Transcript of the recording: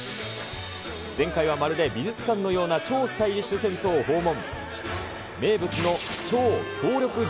前回はまるで美術館のような超スタイリッシュ銭湯を訪問。